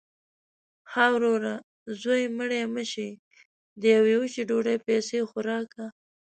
– ها وروره! زوی مړی مه شې. د یوې وچې ډوډۍ پیسې خو راکه.